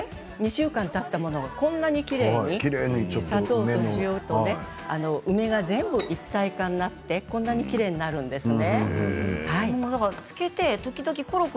２週間たったものはこんなにきれいに砂糖と塩が梅が全部一体感になってこんなにきれいになるんですね。